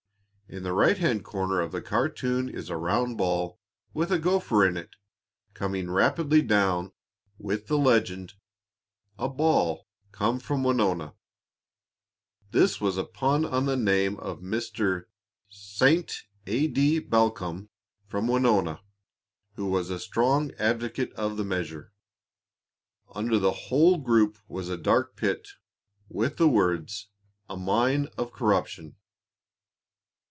In the right hand corner of the cartoon is a round ball, with a gopher in it, coming rapidly down, with the legend: "A Ball come from Winona." This was a pun on the name of Mr. St. A. D. Balcombe from Winona, who was a strong advocate of the measure. Under the whole group was a dark pit, with the words, "A mine of corruption."